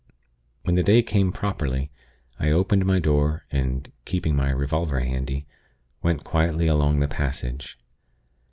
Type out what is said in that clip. "When the day came properly, I opened my door, and, keeping my revolver handy, went quietly along the passage.